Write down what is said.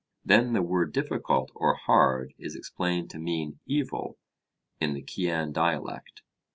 Then the word difficult or hard is explained to mean 'evil' in the Cean dialect.